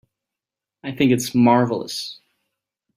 I think it's marvelous.